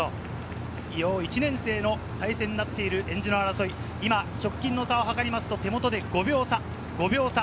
１年生の対戦になっている、えんじの争い、今、直近の差を測りますと手元で５秒差。